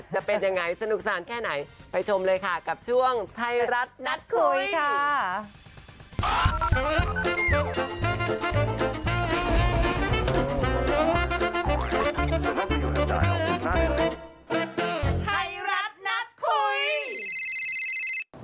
จะเป็นยังไงสนุกสนานแค่ไหนไปชมเลยค่ะกับช่วงไทยรัฐนัดคุยค่ะ